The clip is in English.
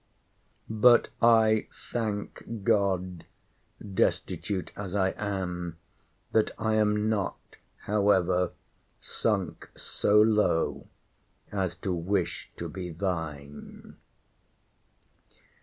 But, I thank God, destitute as I am, that I am not, however, sunk so low, as to wish to be thine.